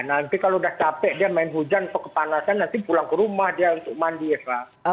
nanti kalau sudah capek dia main hujan atau kepanasan nanti pulang ke rumah dia untuk mandi eva